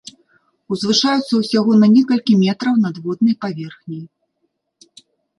Узвышаюцца ўсяго на некалькі метраў над воднай паверхняй.